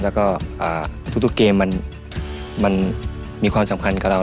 แล้วก็อ่าทุกทุกเกมมันมันมีความสำคัญกับเรา